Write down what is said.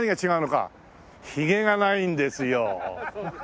ヒゲがないんですよ。